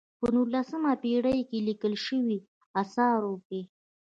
په نولسمه پېړۍ کې لیکل شویو آثارو کې.